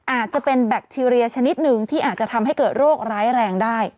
อาจจะเป็นแบคทีเรียชนิดหนึ่งที่อาจจะทำให้เกิดโรคร้ายแรงได้